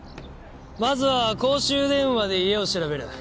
まずは公衆電話で家を調べる。